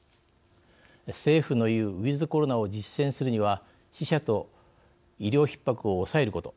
政府の言うウィズコロナを実践するには死者と医療ひっ迫を抑えること。